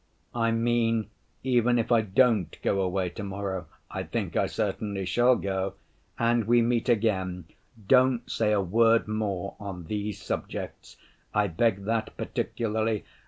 I mean even if I don't go away to‐morrow (I think I certainly shall go) and we meet again, don't say a word more on these subjects. I beg that particularly.